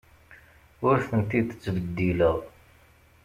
Ur tent-id-ttbeddileɣ.